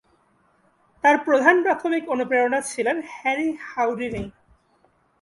তার প্রধান প্রাথমিক অনুপ্রেরণা ছিলেন হ্যারি হাউডিনি।